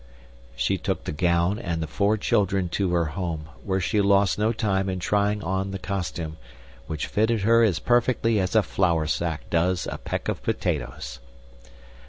She took the gown and the four children to her home, where she lost no time in trying on the costume, which fitted her as perfectly as a flour sack does a peck of potatoes.